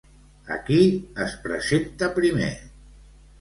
A qui es presenta primer?